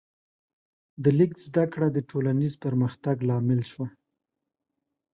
د لیک زده کړه د ټولنیز پرمختګ لامل شوه.